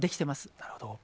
なるほど。